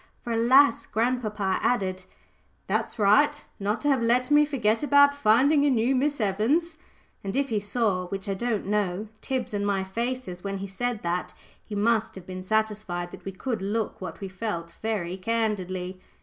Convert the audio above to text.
For, alas! grandpapa added "That's right not to have let me forget about finding a new Miss Evans;" and if he saw which I don't know Tib's and my faces when he said that, he must have been satisfied that we could look what we felt very candidly.